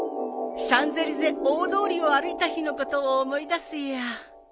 シャンゼリゼ大通りを歩いた日のことを思い出すよ。